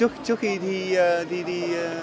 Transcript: trước khi đi đi đi